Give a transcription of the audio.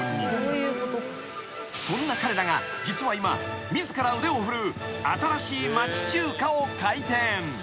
［そんな彼らが実は今自ら腕を振るう新しい町中華を開店］